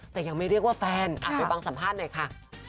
แต่ยังไม่เรียกว่าแฟนไปฟังสัมภาษณ์หน่อยค่ะ